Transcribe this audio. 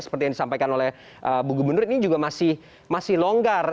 seperti yang disampaikan oleh bu gubernur ini juga masih longgar